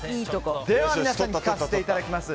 では、皆さん聞かせていただきます。